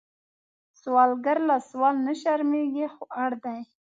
سوالګر له سوال نه شرمېږي، خو اړ دی